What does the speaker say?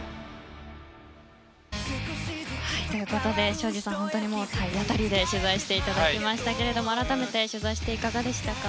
庄司さん、体当たりで取材していただきましたが改めて取材していかがでしたか？